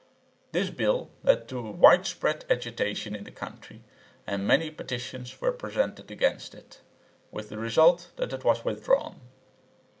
This bill led to a widespread agitation in the country, and many petitions were presented against it, with the result that it was withdrawn.